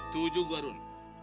tuju gua run